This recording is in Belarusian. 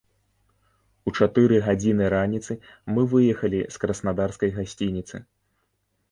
У чатыры гадзіны раніцы мы выехалі з краснадарскай гасцініцы.